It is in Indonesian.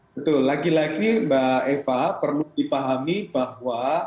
betul lagi lagi mbak eva perlu dipahami bahwa